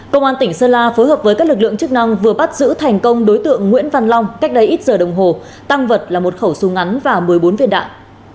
công an tỉnh sơn la phối hợp với các lực lượng chức năng vừa bắt giữ thành công đối tượng nguyễn văn long cách đây ít giờ đồng hồ tăng vật là một khẩu súng ngắn và một mươi bốn viên đạn